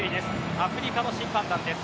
アフリカの審判団です。